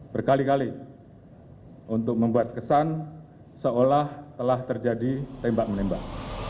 berkali kali untuk membuat kesan seolah telah terjadi tembak menembak